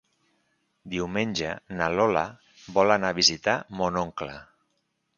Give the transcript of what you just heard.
Diumenge na Lola vol anar a visitar mon oncle.